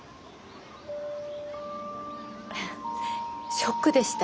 ショックでした。